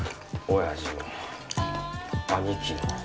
おやじも兄貴も。